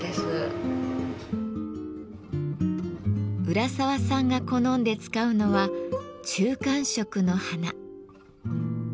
浦沢さんが好んで使うのは中間色の花。